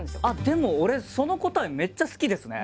でも俺その答えめっちゃ好きですね。